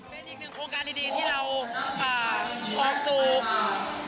เป็นอีกหนึ่งโครงการดีที่เราออกสูบ